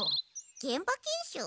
現場検証？